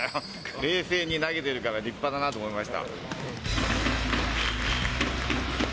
冷静に投げてるから立派だなと思いました。